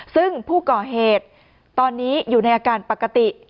ซึ่งผู้ก่อเหตุตอนนี้อยู่ในอาการปกติ